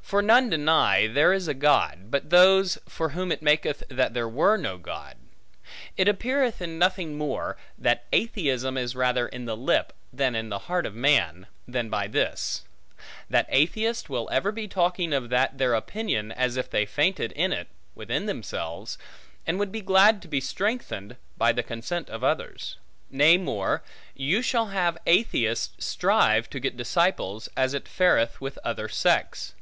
For none deny, there is a God, but those, for whom it maketh that there were no God. It appeareth in nothing more, that atheism is rather in the lip, than in the heart of man, than by this; that atheists will ever be talking of that their opinion, as if they fainted in it, within themselves, and would be glad to be strengthened, by the consent of others. Nay more, you shall have atheists strive to get disciples, as it fareth with other sects.